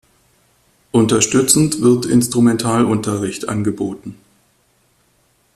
Unterstützend wird Instrumentalunterricht angeboten.